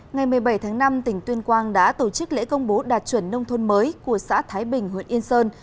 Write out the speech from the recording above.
ngày một mươi bảy tháng năm tỉnh tuyên quang đã tổ chức lễ công bố đạt chuẩn nông thôn mới của xã thái bình huyện yên sơn